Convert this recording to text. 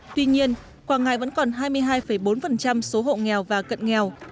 tuy nhiên quảng ngãi vẫn còn hai mươi hai bốn số hộ nghèo và cận nghèo